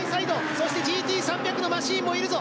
そしてＧＴ３００のマシンもいるぞ！